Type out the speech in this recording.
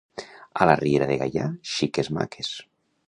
A la Riera de Gaià, xiques maques.